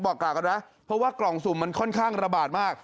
ก็เลยเอาเรื่องนี้มาบอกกรรมสุ่มมันค่อนข้างระบาดมาก